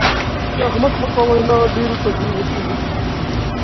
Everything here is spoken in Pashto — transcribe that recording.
د احمد حقه وینا ډېرو ته زور ورکوي.